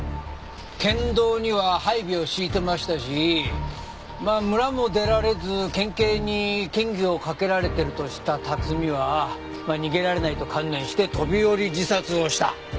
県道には配備を敷いてましたしまあ村も出られず県警に嫌疑をかけられてると知った辰巳はまあ逃げられないと観念して飛び降り自殺をした。